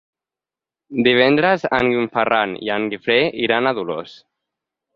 Divendres en Ferran i en Guifré iran a Dolors.